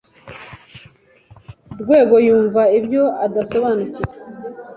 Rwego yumva ibyo udasobanukiwe.